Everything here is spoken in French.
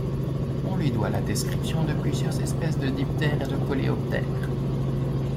On lui doit la description de plusieurs espèces de diptères et de coléoptères.